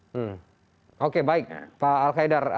hmm oke baik pak al qaidar